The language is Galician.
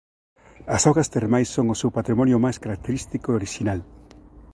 As augas termais son o seu patrimonio máis característico e orixinal.